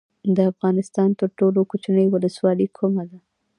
د افغانستان تر ټولو کوچنۍ ولسوالۍ کومه ده؟